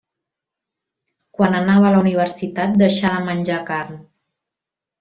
Quan anava a la universitat deixà de menjar carn.